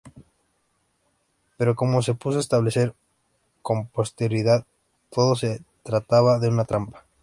Pero como se pudo establecer con posterioridad, todo se trataba de una trampa.